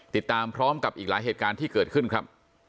ติดตามพร้อมกับอีกหลายเหตุการณ์ที่เกิดขึ้นครับ